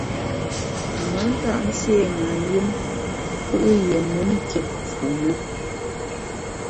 Me ntap nségha yùm fù’ yié me nkit fu ne.